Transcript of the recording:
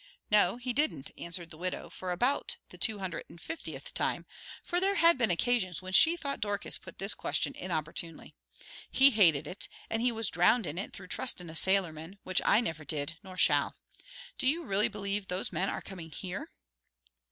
"No, he didn't," answered the widow, for about the two hundred and fiftieth time, for there had been occasions when she thought Dorcas put this question inopportunely. "He hated it, and he was drowned in it through trustin' a sailorman, which I never did nor shall. Do you really believe those men are comin' here?"